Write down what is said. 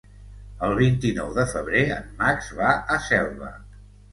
El vint-i-nou de febrer en Max va a Selva.